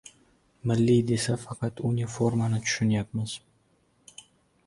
Milliylik desa, faqat "uniforma"ni tushunyapmiz...